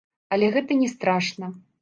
Але гэта не страшна.